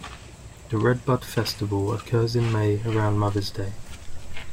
The Redbud Festival occurs in May around Mother's Day.